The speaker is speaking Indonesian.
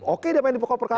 oke dia main di pokok perkara